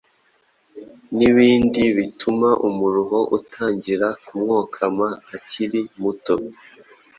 nibindi bituma umuruho utangira kumwokama akiri muto.